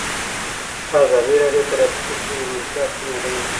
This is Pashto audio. ازادي راډیو د ټرافیکي ستونزې د منفي اړخونو یادونه کړې.